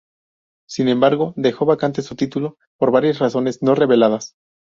Sin embargo, dejó vacante su título por varias razones no reveladas.